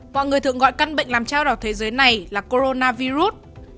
mọi người thường gọi căn bệnh làm trao đảo thế giới này là coronavirus